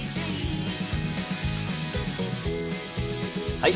はい。